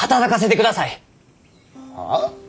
はあ！？